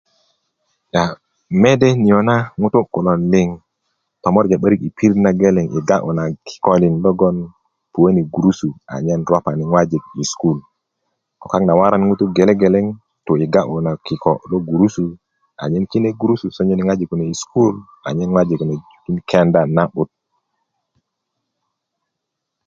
a mede niyo na ŋutu kulo liŋ tomorja 'borik pirit nageleŋ yi ga'yu na kikölin logon puwöni gurusu nagon ropani ŋojik i sukulu ko kak na waran ŋutu gele geleŋ tu i ga'yu na kiko lo gurusu anyen kine gurusu joŋani ŋojik i sululu anyen ŋojik kune jujukin kenda na'but